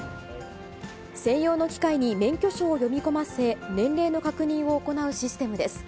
専用の機械に免許証を読み込ませ、年齢の確認を行うシステムです。